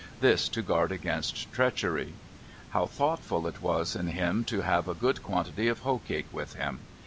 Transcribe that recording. This to guard against treachery. How thoughtful it was in him to have a good quantity of hoe cake with him.